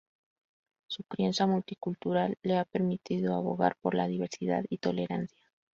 Su crianza multicultural le ha permitido abogar por la diversidad y tolerancia.